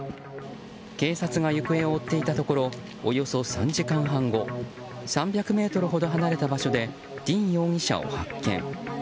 警察が行方を追っていたところおよそ３時間半後３００ｍほど離れた場所でディン容疑者を発見。